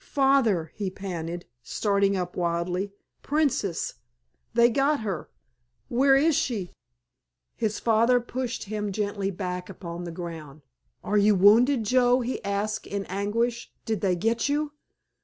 "Father," he panted, starting up wildly, "Princess—they got her—where is she——" His father pushed him gently back upon the ground. "Are you wounded, Joe?" he asked in anguish; "did they get you?"